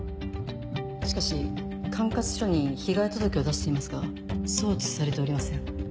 しかし管轄署に被害届を出していますが送致されておりません。